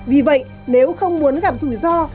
vì vậy nếu không muốn gặp rủi ro